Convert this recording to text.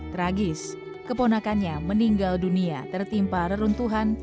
tragis keponakannya meninggal dunia tertimpa reruntuhan